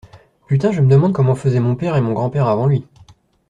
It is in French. Putain, je me demande comment faisaient mon père, et mon grand-père avant lui.